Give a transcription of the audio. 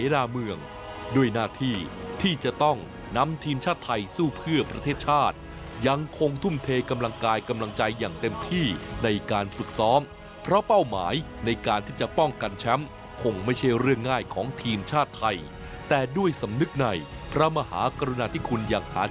และหลังจากได้รับกำลังใจทีมฟุตบอลทีมชาติไทยได้อีกครั้ง